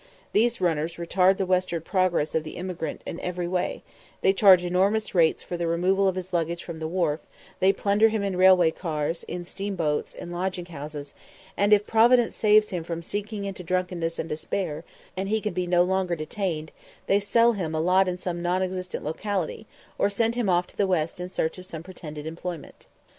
These runners retard the westward progress of the emigrant in every way; they charge enormous rates for the removal of his luggage from the wharf; they plunder him in railway cars, in steamboats, in lodging houses; and if Providence saves him from sinking into drunkenness and despair, and he can be no longer detained, they sell him a lot in some non existent locality, or send him off to the west in search of some pretended employment.